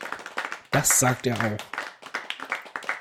Das sagt er auch.